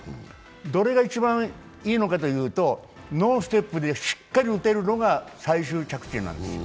どれが一番いいのかというと、ノンステップでしっかり打てるのが最終着地なんですよ。